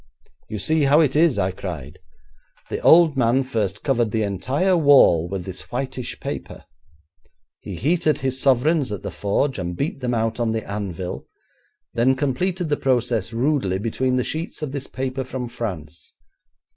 'You see how it is,' I cried. 'The old man first covered the entire wall with this whitish paper. He heated his sovereigns at the forge and beat them out on the anvil, then completed the process rudely between the sheets of this paper from France.